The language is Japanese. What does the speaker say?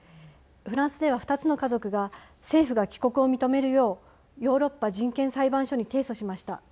フランスでは、２つの家族が政府が帰国を認めるようヨーロッパ人権裁判所に提訴しました。